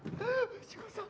藤子さん！